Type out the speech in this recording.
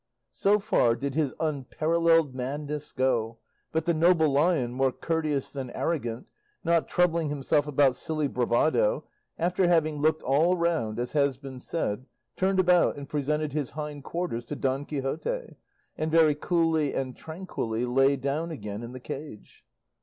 So far did his unparalleled madness go; but the noble lion, more courteous than arrogant, not troubling himself about silly bravado, after having looked all round, as has been said, turned about and presented his hind quarters to Don Quixote, and very coolly and tranquilly lay down again in the cage.